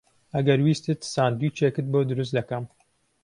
ئەگەر ویستت ساندویچێکت بۆ دروست دەکەم.